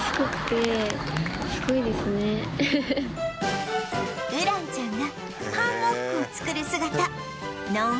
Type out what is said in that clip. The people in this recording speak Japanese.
ウランちゃんがハンモックを作る姿のん